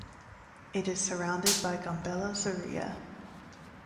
It is surrounded by Gambela Zuria.